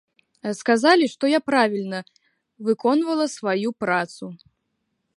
Сказалі, што я правільна выконвала сваю працу.